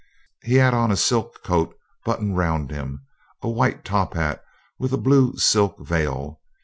He had on a silk coat buttoned round him, a white top hat with a blue silk veil.